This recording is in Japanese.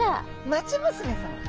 町娘さま。